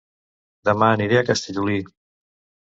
Dema aniré a Castellolí